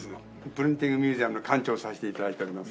プリンティングミュージアムの館長をさせて頂いております。